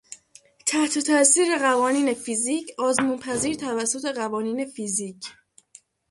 تحت تاثیر قوانین فیزیک، آزمون پذیر توسط قوانین فیزیک